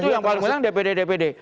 itu yang paling menang dpd dpd